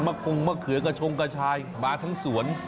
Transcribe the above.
คงมะเขือกระชงกระชายมาทั้งสวน